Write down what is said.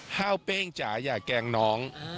ห้าวเป้งจ๋าอย่าแกล้งน้อง